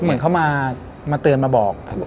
เหมือนเขามาเตือนมาบอก